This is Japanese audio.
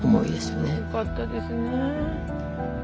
よかったですねえ。